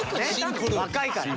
若いからね。